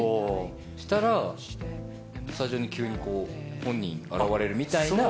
したら、スタジオに急に本人現れるみたいな。